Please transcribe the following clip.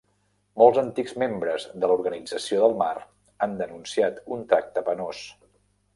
Molts antics membres de l'Organització del Mar han denunciat un tracte penós.